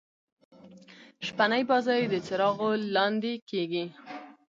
شپنۍ بازۍ د څراغو لانديکیږي.